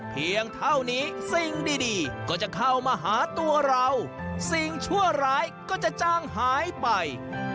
เพียงเท่านี้สิ่งดีก็จะเข้ามาหาตัวเราสิ่งชั่วร้ายก็จะจ้างหายไป